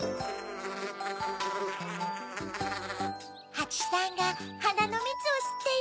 ハチさんがはなのみつをすっているわ。